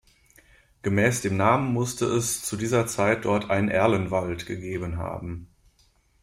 Gemäß dem Namen musste es zu dieser Zeit dort einen Erlenwald gegeben haben.